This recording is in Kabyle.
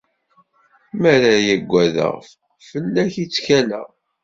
Mi ara aggadeɣ, fell-ak i ttkaleɣ.